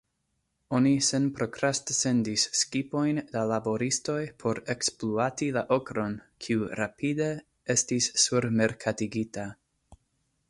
Oni senprokraste sendis skipojn da laboristoj por ekspluati la okron, kiu rapide estis surmerkatigita.